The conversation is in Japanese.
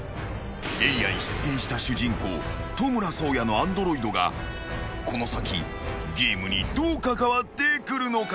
［エリアに出現した主人公トムラ颯也のアンドロイドがこの先ゲームにどう関わってくるのか？］